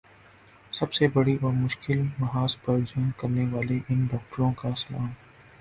سب سے بڑی اور مشکل محاذ پر جنگ کرنے والے ان ڈاکٹروں کو سلام